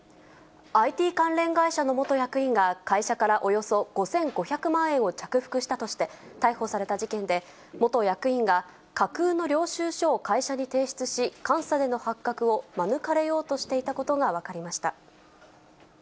ＩＴ関連会社の元役員が、会社からおよそ５５００万円を着服したとして、逮捕された事件で、元役員が架空の領収書を会社に提出し、監査での発覚を免れようとしていたことが分かりました。